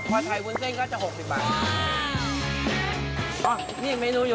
อ่อนี่เมนูอยู่นี่ถ่ายไปเลย